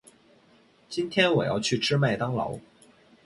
今天我要去吃麦当劳。